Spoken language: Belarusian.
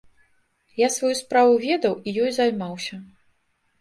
Я сваю справу ведаў і ёю займаўся.